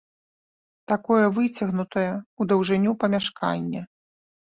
Такое выцягнутае ў даўжыню памяшканне.